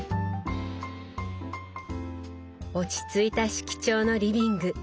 落ち着いた色調のリビング。